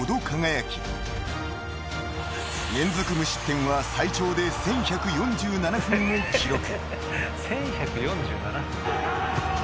［連続無失点は最長で１，１４７分を記録］